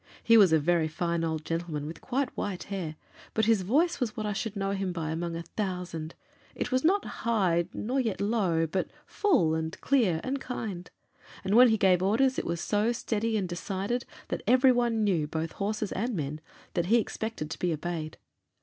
He was a very fine old gentleman with quite white hair, but his voice was what I should know him by among a thousand. It was not high, nor yet low, but full, and clear, and kind, and when he gave orders it was so steady and decided that every one knew, both horses and men, that he expected to be obeyed.